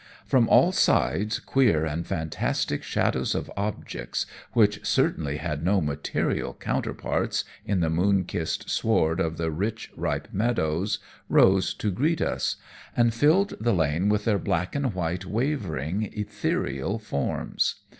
From all sides queer and fantastic shadows of objects, which certainly had no material counterparts in the moon kissed sward of the rich, ripe meadows, rose to greet us, and filled the lane with their black and white wavering, ethereal forms.